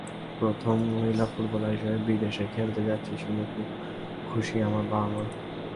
প্রথম মহিলা ফুটবলার হিসেবে বিদেশে খেলতে যাচ্ছি শুনে খুব খুশি আমার বাবা-মা।